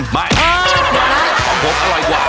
ไม่ของผมอร่อยกว่า